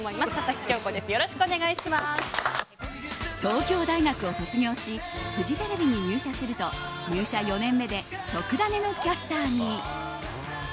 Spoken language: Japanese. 東京大学を卒業しフジテレビに入社すると入社４年目で「とくダネ！」のキャスターに。